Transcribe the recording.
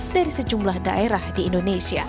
dari sejumlah daerah di indonesia